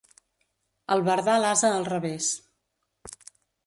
Albardar l'ase al revés.